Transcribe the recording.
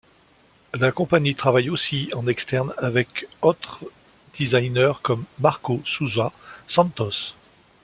La compagnie travaille aussi en externe avec autres designers comme Marco Sousa Santos.